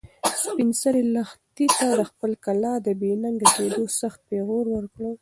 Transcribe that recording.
سپین سرې لښتې ته د خپلې کلا د بې ننګه کېدو سخت پېغور ورکړ.